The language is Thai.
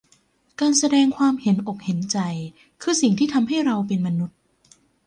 การแสดงความเห็นอกเห็นใจคือสิ่งที่ทำให้เราเป็นมนุษย์